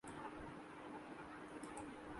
actor ان لا کا مائیکل جیکسن سے کیا تعلق